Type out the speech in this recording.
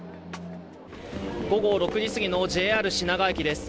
午後６時すぎのＪＲ品川駅です。